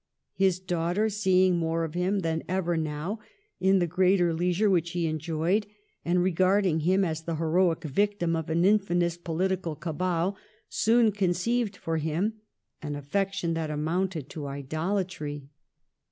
His daughter, seeing more of him than ever, now, in the greater leis ure which he enjoyed, and regarding him as the heroic victim of an infamous political cabal, soon conceived for him an affection that amounted to idolatry.